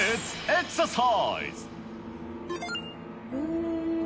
エクササイズ！